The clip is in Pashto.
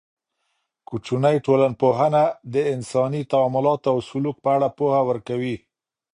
کوچنۍ ټولنپوهنه د انساني تعاملاتو او سلوک په اړه پوهه ورکوي.